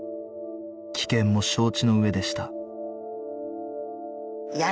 危険も承知の上でした